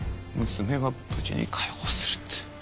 娘は無事に解放するって。